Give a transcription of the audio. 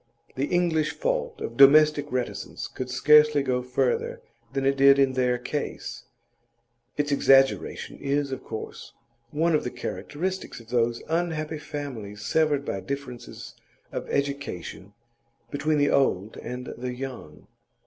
The English fault of domestic reticence could scarcely go further than it did in their case; its exaggeration is, of course, one of the characteristics of those unhappy families severed by differences of education between the old and young.